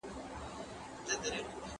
د مېړه خوی د زمري زړه غواړي.